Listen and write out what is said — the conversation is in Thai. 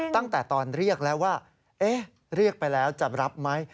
ตั้งแต่ตอนเรียกแล้วว่าเรียกไปแล้วจะรับไหม